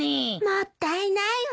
もったいないわ。